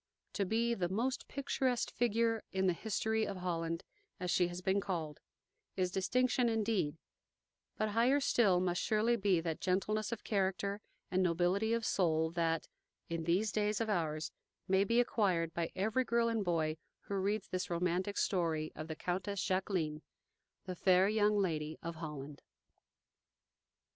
To be "the most picturesque figure in the history of Holland," as she has been called, is distinction indeed; but higher still must surely be that gentleness of character and nobility of soul that, in these days of ours, may be acquired by every girl and boy who reads this romantic story of the Countess Jacqueline, the fair young Lady of Holland.